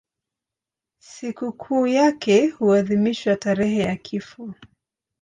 Sikukuu yake huadhimishwa tarehe ya kifo.